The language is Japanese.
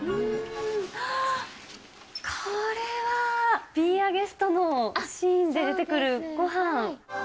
あっ、これは、ビーアワゲストのシーンで出てくるごはん。